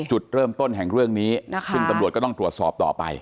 จุดเริ่มต้นแห่งเรื่องนี้ซึ่งตำรวจก็ต้องตรวจสอบต่อไป